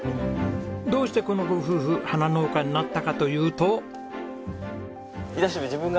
どうしてこのご夫婦花農家になったかというと。